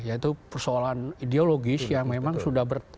yaitu persoalan ideologis yang memang sudah ber